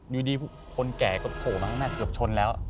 อยู่ดีคนแก่ก็โกโถมากมั่งที่เริ่มใช้ลบชนแล้ว